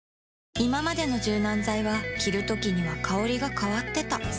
いままでの柔軟剤は着るときには香りが変わってた